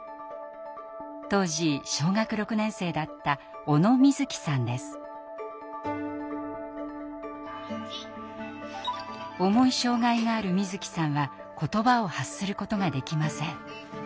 当時小学６年生だった重い障害があるみづきさんは言葉を発することができません。